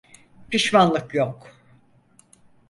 Pişmanlık yok.